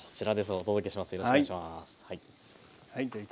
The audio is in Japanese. お届けします。